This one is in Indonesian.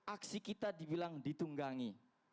aksi kita dibilang ditunggangi